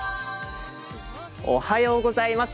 おはようございます。